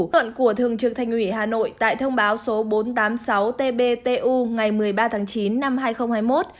thuận của thường trực thành ủy hà nội tại thông báo số bốn trăm tám mươi sáu tbtu ngày một mươi ba tháng chín năm hai nghìn hai mươi một